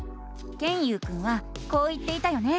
ケンユウくんはこう言っていたよね。